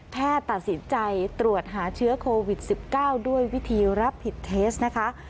ตัดสินใจตรวจหาเชื้อโควิด๑๙ด้วยวิธีรับผิดเทสนะคะ